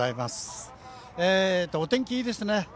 お天気いいですね。